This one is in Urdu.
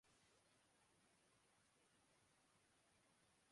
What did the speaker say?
کبھی کبھار زیادتی کر جاتا ہوں